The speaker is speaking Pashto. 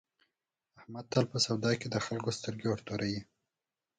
احمد تل په سودا کې د خلکو سترګې ورتوروي.